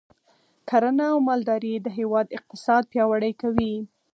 کرنه او مالداري د هیواد اقتصاد پیاوړی کوي.